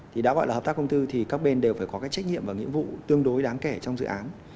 thì đã gọi là hợp tác công tư thì các bên đều phải có cái trách nhiệm và nghĩa vụ tương đối đáng kể trong dự án